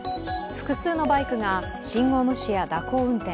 複数のバイクが信号無視や蛇行運転。